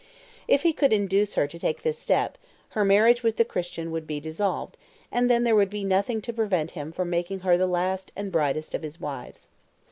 If he could induce her to take this step, her marriage with the Christian would be dissolved, and then there would be nothing to prevent him from making her the last and brightest of his wives.